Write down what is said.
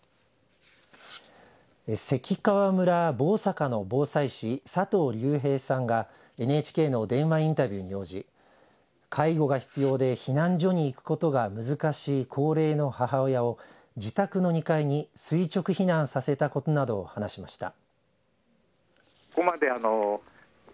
関川村朴坂の防災士、佐藤隆平さんがＮＨＫの電話インタビューに応じ介護が必要で避難所に行くことが難しい高齢の母親を自宅の２階に垂直避難させたことなどを話しました。